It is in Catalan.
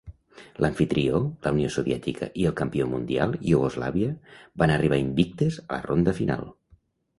L'amfitrió, la Unió Soviètica i el campió mundial, Iugoslàvia, van arribar invictes a la ronda final.